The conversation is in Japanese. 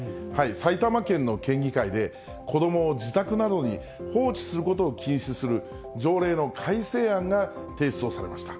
埼玉県の県議会で、子どもを自宅などに放置することを禁止する条例の改正案が提出をされました。